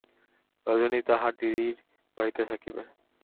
রজনী তাহার দিদির বাড়িতে থাকিবে।